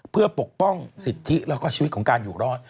เพื่อปกป้องสิทธิแล้วก็ชีวิตของการอยู่รอด